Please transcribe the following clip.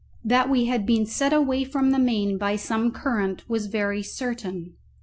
That we had been set away from the main by some current was very certain.